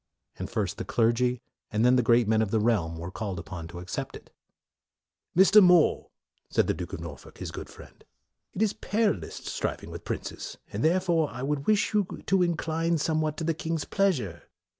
And first the clergy, and then the great men of the realm, were called upon to accept it. " Mr. More," said the Duke of Norfolk, his good friend, " it is perilous striving with princes, and therefore I would wish MORE 45 you to incline somewhat to the king's pleasure.''